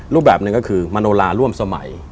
รูปแบบหนึ่งก็คือมโนลาร่วมสมัย